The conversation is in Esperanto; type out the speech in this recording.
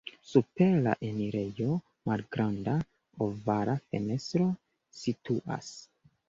Super la enirejo malgranda ovala fenestro situas.